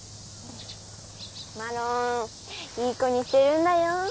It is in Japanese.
マロンいい子にしてるんだよ。